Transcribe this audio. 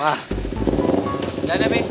jalan ya pi